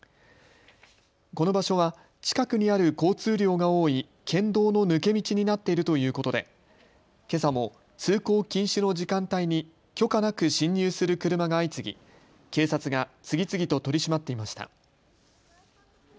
この場所は近くにある交通量が多い県道の抜け道になっているということでけさも通行禁止の時間帯に許可なく進入する車が相次ぎ警察が次々と取り締まっていました。